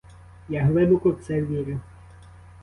Я глибоко в це вірю.